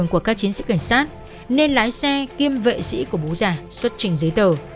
các chiến sĩ cảnh sát nên lái xe kiêm vệ sĩ của bố già xuất trình giấy tờ